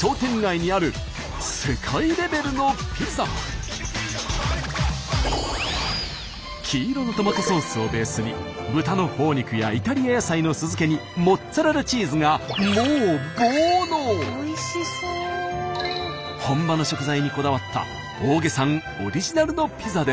すごい！黄色のトマトソースをベースに豚のほほ肉やイタリア野菜の酢漬けにモッツァレラチーズがもう本場の食材にこだわった大削さんオリジナルのピザです。